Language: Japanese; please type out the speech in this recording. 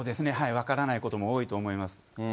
分からないことも多いと思います。